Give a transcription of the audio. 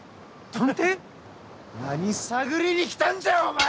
何探りに来たんじゃお前！